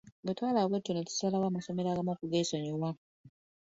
Bwe twalaba bwe tutyo ne tusalawo amasomero agamu okugeesonyiwa.